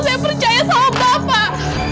saya percaya sama bapak